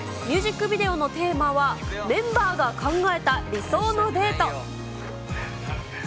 ミュージックビデオのテーマは、メンバーが考えた理想のデート。